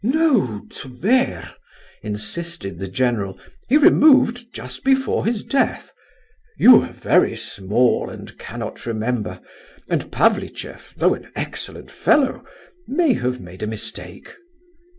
"No, Tver," insisted the general; "he removed just before his death. You were very small and cannot remember; and Pavlicheff, though an excellent fellow, may have made a mistake."